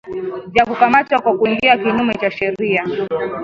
vya kukamatwa kwa kuingia kinyume cha sheria